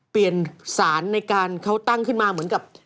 เปลี่ยนสารในการเขาตั้งขึ้นมาเหมือนกับ